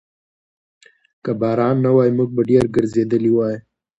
که باران نه وای، موږ به ډېر ګرځېدلي وو.